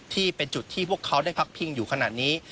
ที่เป็นจุดที่พวกเขาได้พักพิงอยู่ขนาดนี้